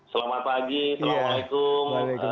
selamat pagi assalamualaikum